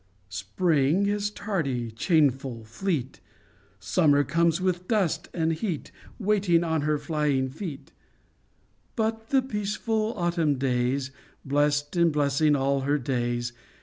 Spring is tardy, changeful, fleet ; Summer comes with dust and heat Waiting on her flying feet : But the peaceful autumn stays, Blest and blessing, all her days.